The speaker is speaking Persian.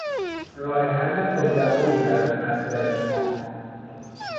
راه حل پر دوامی برای مسایل ما